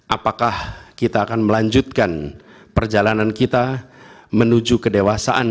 apakah kita akan melanjutkan perjalanan kita menuju kedewasaan